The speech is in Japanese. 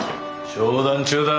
商談中だ！